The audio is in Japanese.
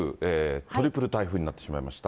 トリプル台風になってしまいました。